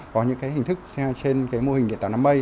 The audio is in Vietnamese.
có những hình thức trên mô hình điện tạo năm a